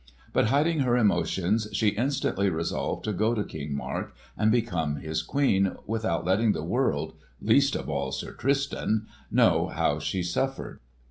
But hiding her emotions she instantly resolved to go to King Mark and become his Queen, without letting the world—least of all, Sir Tristan—know how she suffered.